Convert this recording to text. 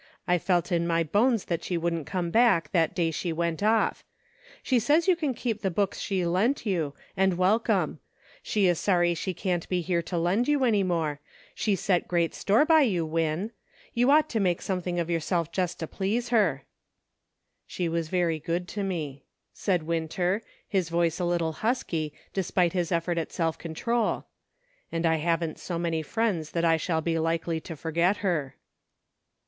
I felt in my bones that she wouldn't come back that day she went off ; she says you can keep the books she lent you, and welcome ; and she is sorry she can't be here to lend you any more ; she set great store by you, 1/2 "ORDERS TO MOVE." Win. You ought to make something of yourself just to please her." " She was very good to me," said Winter, his voice a little husky, despite his effort at self con trol, " and I haven't so many friends that I shall be likely to forget her."